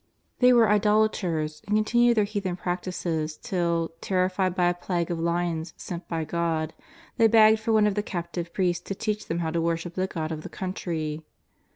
They were idolaters, and con tinued their heathen practices till, terrified by a plague of lions sent by God, they begged for one of the captive priests to teach them how to worship the God of the country.